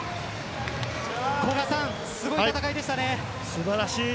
古賀さん、すごい戦いでしたね。